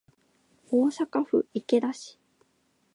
大阪府池田市